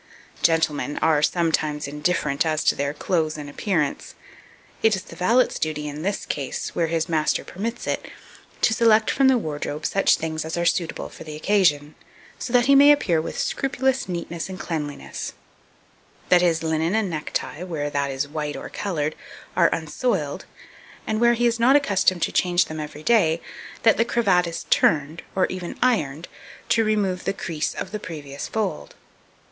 2239. Gentlemen are sometimes indifferent as to their clothes and appearance; it is the valet's duty, in this case, where his master permits it, to select from the wardrobe such things as are suitable for the occasion, so that he may appear with scrupulous neatness and cleanliness; that his linen and neck tie, where that is white or coloured, are unsoiled; and where he is not accustomed to change them every day, that the cravat is turned, and even ironed, to remove the crease of the previous fold.